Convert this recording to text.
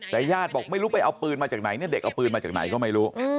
แต่ญาติบอกไม่รู้ไปเอาปืนมาจากไหนเนี่ยเด็กเอาปืนมาจากไหนก็ไม่รู้